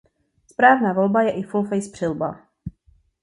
Správná volba je i full face přilba.